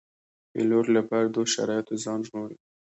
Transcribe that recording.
پیلوټ له بدو شرایطو ځان ژغوري.